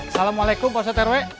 assalamualaikum pausat r w